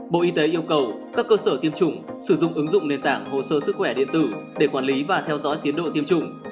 bộ y tế yêu cầu các cơ sở tiêm chủng sử dụng ứng dụng nền tảng hồ sơ sức khỏe điện tử để quản lý và theo dõi tiến độ tiêm chủng